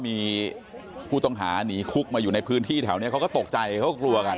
มีผู้ต้องหาหนีคุกมาอยู่ในพื้นที่แถวนี้เขาก็ตกใจเขาก็กลัวกัน